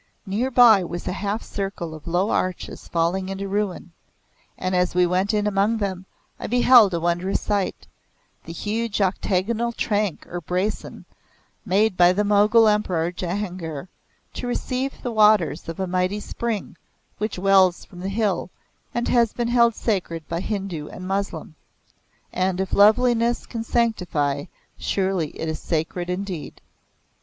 Near by was a half circle of low arches falling into ruin, and as we went in among them I beheld a wondrous sight the huge octagonal tank or basin made by the Mogul Emperor Jehangir to receive the waters of a mighty Spring which wells from the hill and has been held sacred by Hindu and Moslem. And if loveliness can sanctify surely it is sacred indeed.